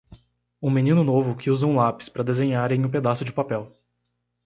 Um menino novo que usa um lápis para desenhar em um pedaço de papel.